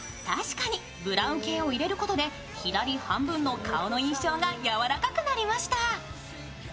確かにブラウン系を入れることで左半分の顔の印象がやわらかくなりました。